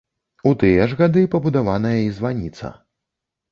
У тыя ж гады пабудаваная і званіца.